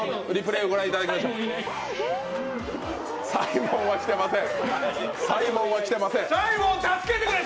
サイモンは来てません。